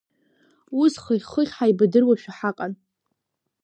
Ус хыхь-хыхь ҳаибадыруашәа ҳаҟан.